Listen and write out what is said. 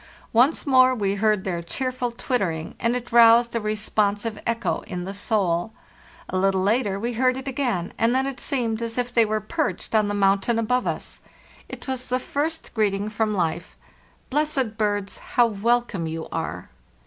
Once more we heard their cheerful twittering, and it roused a respon sive echo in the soul. A little later we heard it again, and then it seemed as if they were perched on the mountain above us. It was the first greeting from life. Blessed birds, how welcome you are!